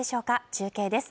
中継です。